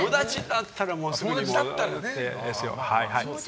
友達だったらいいですよ。